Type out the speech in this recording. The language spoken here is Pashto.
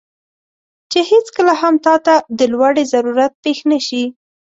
چې هیڅکله هم تاته د لوړې ضرورت پېښ نه شي،